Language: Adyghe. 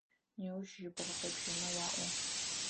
Неущ жьыбгъэ къепщэнэу аӏо.